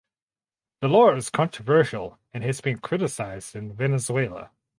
The law is controversial and has been criticized in Venezuela.